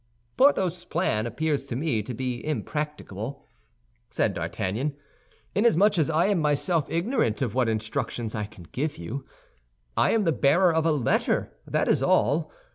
"Porthos's plan appears to me to be impracticable," said D'Artagnan, "inasmuch as I am myself ignorant of what instructions I can give you. I am the bearer of a letter, that is all.